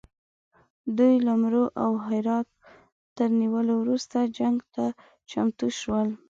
دوی له مرو او هرات تر نیولو وروسته جنګ ته چمتو شول.